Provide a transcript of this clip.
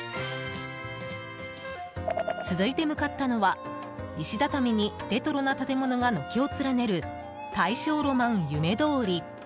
続いて向かったのは石畳にレトロな建物が軒を連ねる大正浪漫夢通り。